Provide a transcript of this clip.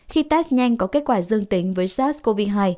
khi test nhanh có kết quả dương tính với sars cov hai